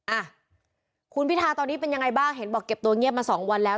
อ่ะคุณพิทาตอนนี้เป็นยังไงบ้างเห็นบอกเก็บตัวเงียบมาสองวันแล้ว